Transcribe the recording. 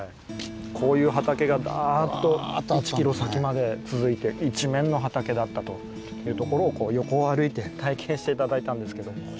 こういう畑がダーッと１キロ先まで続いて一面の畑だったという所を横を歩いて体験して頂いたんですけど。